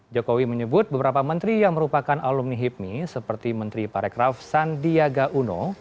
jokowi menyebut beberapa menteri yang merupakan alumni hipmi seperti menteri parekraf sandiaga uno